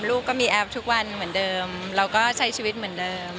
ลูกก็มีแอปทุกวันเหมือนเดิมเราก็ใช้ชีวิตเหมือนเดิม